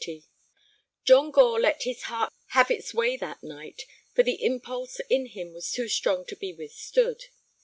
XXX John Gore let his heart have its way that night, for the impulse in him was too strong to be withstood.